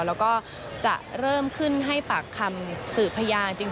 แล้วก็จะเริ่มขึ้นให้ปากคำสื่อพยาน